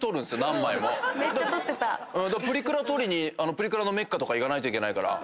プリクラのメッカ行かないといけない。